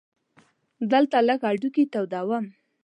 دلته لږ هډوکي تودوم.